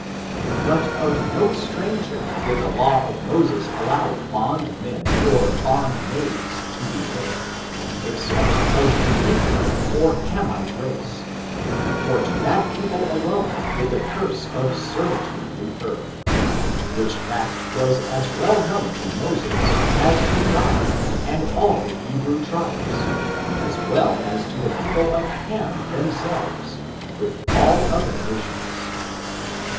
But of no stranger did the law of Moses allow bond men or bond maids to be made, except of the negro or Hamite race, for to that people alone did the curse of servitude refer, which fact was as well known to Moses as to God, and all the Hebrew tribes, as well as to the people of Ham themselves, with all other nations.